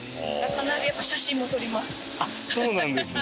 あっそうなんですね。